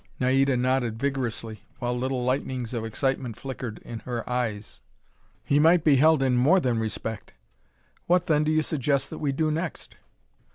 Naida nodded vigorously, while little lightnings of excitement flickered in her eyes. "He might be held in more than respect." "What, then, do you suggest that we do next?"